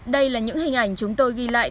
đây là những hình ảnh chúng tôi ghi lại